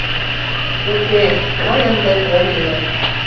Уке, мый ынде ом иле.